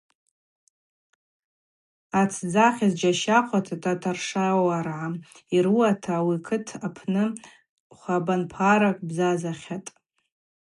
Атдзахьыз джьащахъва Татаршвауаргӏа йрыуата ауи акыт апны хвабанпаракӏ бзазахьатӏ.